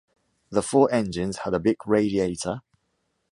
The four engines had a big radiator.